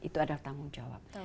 itu adalah tanggung jawab